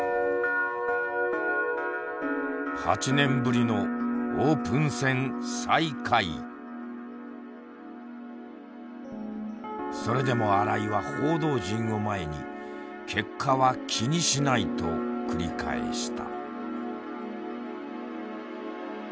８年ぶりのそれでも新井は報道陣を前に「結果は気にしない」と繰り返した。